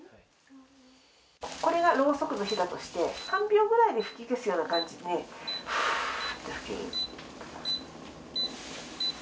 これがろうそくの火だとして、３秒ぐらいで吹き消すような感じで、ふーって吹ける？